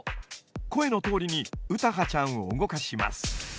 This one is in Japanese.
声のとおりに詩羽ちゃんを動かします。